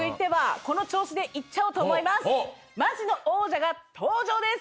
マジの王者が登場です。